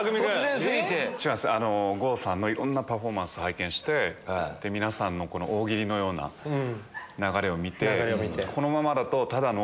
郷さんのいろんなパフォーマンス拝見して皆さんの大喜利のような流れを見て。